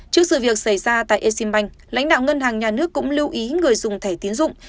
trước sự việc xảy ra tại exim bank lãnh đạo ngân hàng nhà nước cũng lưu ý người dùng thẻ tiến dụng